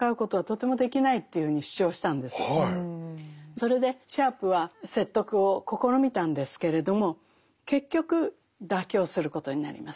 それでシャープは説得を試みたんですけれども結局妥協することになります。